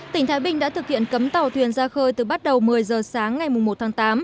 tỉnh thái bình đã thực hiện cấm tàu thuyền ra khơi từ bắt đầu một mươi giờ sáng ngày một tháng tám